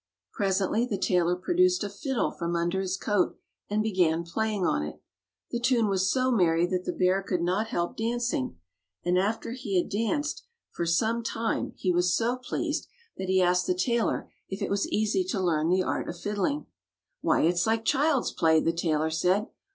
Presently the tailor produced a fiddle from under his coat and began playing on it. The tune was so merry that the bear could not help dancing, and after he had danced for some 182 Fairy Tale Bears time he was so pleased that he asked the tai lor if it was easy to learn the art of fiddling. ^'Why, it's like child's play," the tailor said.